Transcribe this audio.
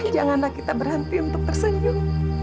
janganlah kita berhenti untuk tersenyum